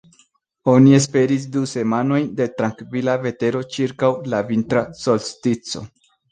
Oni esperis du semajnojn de trankvila vetero ĉirkaŭ la vintra solstico.